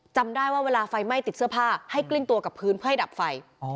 จำได้ว่าเวลาไฟไหม้ติดเสื้อผ้าให้กลิ้งตัวกับพื้นเพื่อให้ดับไฟ